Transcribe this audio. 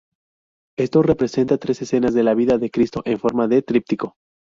Esto representa tres escenas de la vida de Cristo en forma de tríptico.